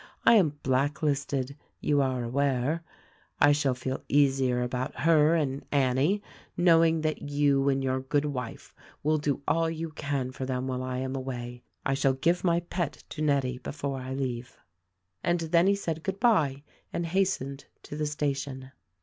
I am blacklisted, you are aware. I shall feel easier about her and Annie, knowing that you and your good wife will do all you can for them while I am away. I shall give my pet to Nettie beforo I leave." And then he said good bye and hastened to the sta tion.